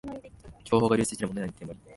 情報が流出してるのに問題ないの一点張り